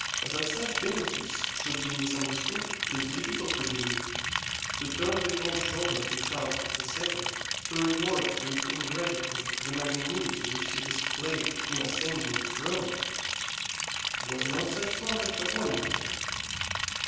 That such benefits should be misunderstood is difficult to believe. To turn the cold shoulder to Charles II., to reward with ingratitude the magnanimity which he displayed in ascending the throne was not such conduct abominable?